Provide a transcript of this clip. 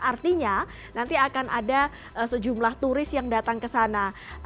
artinya nanti akan ada sejumlah turis yang datang ke sana